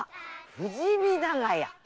「富士見長屋」